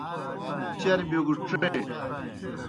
چربِیو گہ ڇے۔